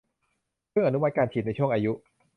เพิ่งอนุมัติการฉีดในช่วงอายุ